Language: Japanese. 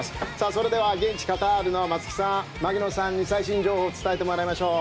それでは現地カタールの松木さん槙野さんに最新情報を伝えてもらいましょう。